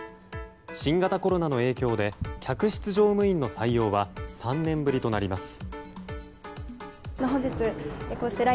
新型コロナの影響で客室乗務員の採用は３年ぶりとなります。